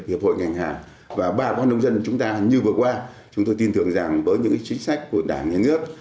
hiệp hội ngành hà và ba quan nông dân chúng ta như vừa qua chúng tôi tin tưởng rằng với những chính sách của đảng và nước